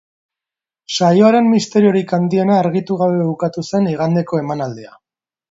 Saioaren misteriorik handiena argitu gabe bukatu zen igandeko emanaldia.